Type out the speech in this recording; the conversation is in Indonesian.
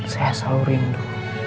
saya selalu rindu